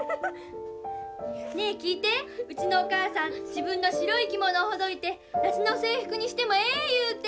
自分の白い着物をほどいて夏の制服にしてもええ言うて！